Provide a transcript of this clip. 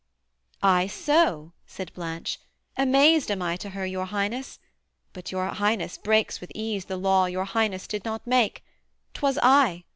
'Ay so?' said Blanche: 'Amazed am I to her Your Highness: but your Highness breaks with ease The law your Highness did not make: 'twas I.